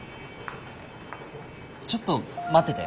ちょっと待ってて。